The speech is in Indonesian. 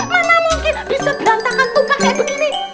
mana mungkin bisa berantakan tumpah kayak begini